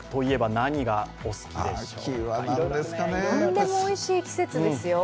何でもおいしい季節ですよ。